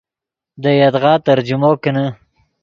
دے یدغا ترجمو کینے